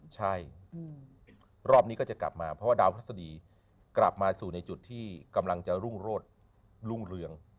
ใช่รอบนี้ก็จะกลับมาเพราะว่าดาวพฤษฎีกลับมาสู่ในจุดที่กำลังจะรุ่งโรศรุ่งเรือง